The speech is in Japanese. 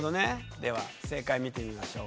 では正解見てみましょう。